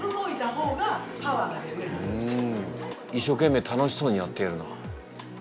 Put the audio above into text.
うん一生懸命楽しそうにやっているな。